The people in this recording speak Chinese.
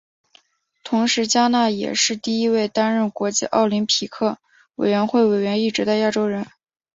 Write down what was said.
同时嘉纳也是第一位担任国际奥林匹克委员会委员一职的亚洲人。